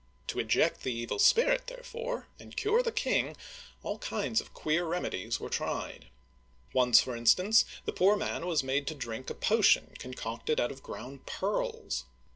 To eject the evil spirit, therefore, and cure the king, all kinds of queer remedies were tried. Once, for instance, the poor man was made to drink a potion concocted out of ground pearls.